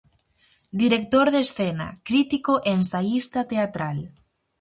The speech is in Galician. Director de escena, crítico e ensaísta teatral.